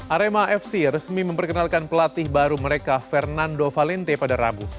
arema fc resmi memperkenalkan pelatih baru mereka fernando valente pada rabu